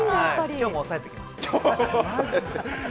今日も抑えてきました。